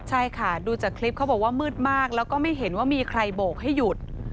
ใช่ค่ะดูจากคลิปเขาบอกว่ามืดมากแล้วก็ไม่เห็นว่ามีใครโบกให้หยุด